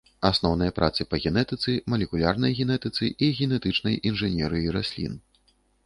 Асноўныя працы па генетыцы, малекулярнай генетыцы і генетычнай інжынерыі раслін.